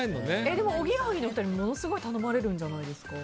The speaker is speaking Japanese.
でもおぎやはぎのお二人ものすごい頼まれるんじゃないですか？